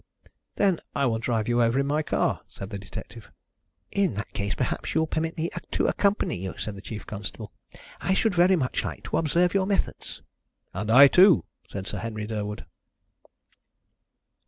"Then I will drive you over in my car," said the detective. "In that case perhaps you'll permit me to accompany you," said the chief constable. "I should very much like to observe your methods." "And I too," said Sir Henry Durwood.